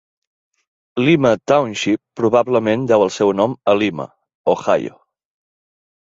Lima Township probablement deu el seu nom a Lima, Ohio.